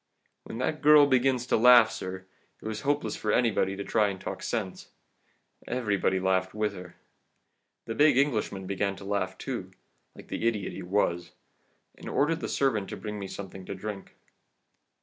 "When that girl begins to laugh, sir, it was hopeless for anybody to try and talk sense. Everybody laughed with her. The big Englishman began to laugh too, like the idiot he was, and ordered the servant to bring me something to drink.